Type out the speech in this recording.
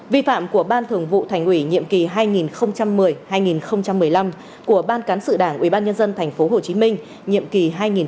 vi phạm của ban thường vụ thành ủy nhiệm kỳ hai nghìn một mươi hai nghìn một mươi năm của ban cán sự đảng ubnd tp hcm nhiệm kỳ hai nghìn một mươi sáu hai nghìn một mươi một